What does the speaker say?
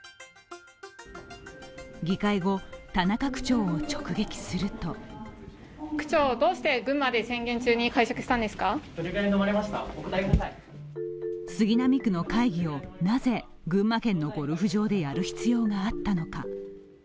議会後、田中区長を直撃すると杉並区の会議をなぜ、群馬県のゴルフ場でやる必要があったのか。